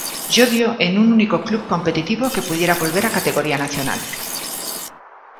Llodio en un único club competitivo que pudiera volver a categoría nacional.